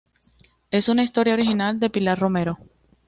Es una historia original de Pilar Romero.